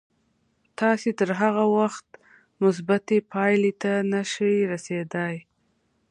تاسې تر هغه وخته مثبتې پايلې ته نه شئ رسېدای.